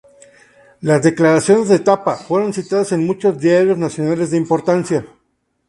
Las declaraciones de Thapa fueron citadas en muchos diarios nacionales de importancia.